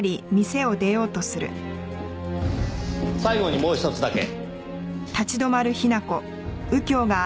最後にもうひとつだけ。